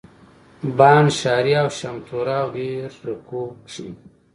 بانډ شاري او شامتوره او ډېره کو کښي